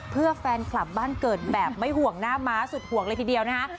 เพื่อแฟนคลับบ้านเกิดแบบไม่ห่วงหน้าม้าสุดห่วงเลยทีเดียวนะคะ